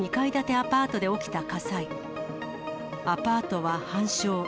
アパートは半焼。